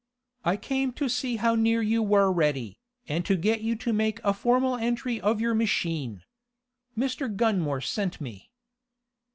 I came to see how near you were ready, and to get you to make a formal entry of your machine. Mr. Gunmore sent me."